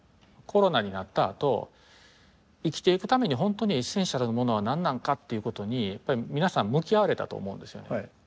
コロナになったあと生きていくために本当にエッセンシャルなものは何なのかっていうことに皆さん向き合われたと思うんですよね。